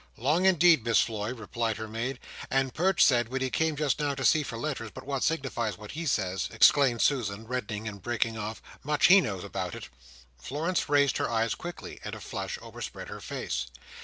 "Long indeed, Miss Floy!" replied her maid. "And Perch said, when he came just now to see for letters—but what signifies what he says!" exclaimed Susan, reddening and breaking off. "Much he knows about it!" Florence raised her eyes quickly, and a flush overspread her face.